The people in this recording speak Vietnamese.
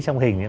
trong hình ấy